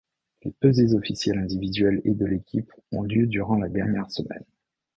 Les pesées officielles individuelles et de l'équipe ont lieu durant la dernière semaine.